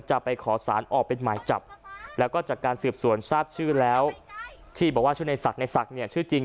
จะไปขอสารออกเป็นหมายจับแล้วก็จากการสืบสวนทราบชื่อแล้วที่บอกว่าชื่อในศักดิ์ในศักดิ์เนี่ยชื่อจริง